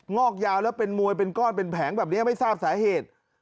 อกยาวแล้วเป็นมวยเป็นก้อนเป็นแผงแบบนี้ไม่ทราบสาเหตุ